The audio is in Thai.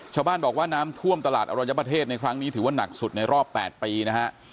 ชาวบ้านบอกว่าน้ำท่วมตลาดอรัญญประเทศในครั้งนี้ถือว่าหนักสุดในรอบ๘ปีนะฮะ